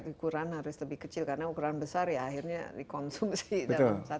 ukuran harus lebih kecil karena ukuran besar ya akhirnya dikonsumsi